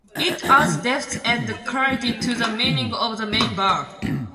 It adds depth and clarity to the meaning of the main verb.